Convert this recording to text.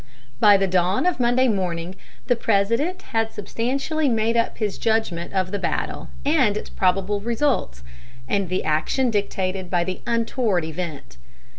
By the dawn of Monday morning the President had substantially made up his judgment of the battle and its probable results, and the action dictated by the untoward event.